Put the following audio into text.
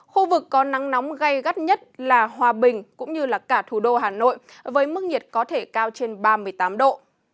khu vực có nắng nóng gây gắt nhất là hòa bình cũng như cả thủ đô hà nội với mức nhiệt có thể cao trên ba mươi tám độ